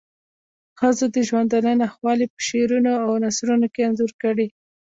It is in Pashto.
ښځو د ژوندانه ناخوالی په شعرونو او نثرونو کې انځور کړې.